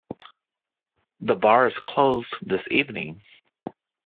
The bar is closed this evening.